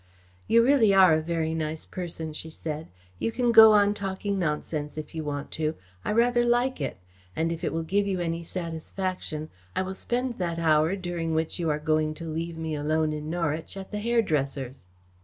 "You really are a very nice person," she said. "You can go on talking nonsense, if you want to. I rather like it. And if it will give you any satisfaction, I will spend that hour during which you are going to leave me alone in Norwich, at the hairdresser's."